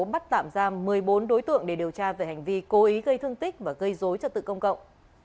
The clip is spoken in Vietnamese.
bắt tạm giam một mươi bốn đối tượng để điều tra về hành vi cố ý gây thương tích và gây dối trật tự công cộng